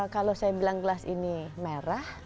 kalau saya bilang gelas ini merah